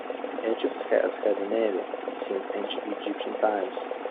Egypt has had a navy since Ancient Egyptian times.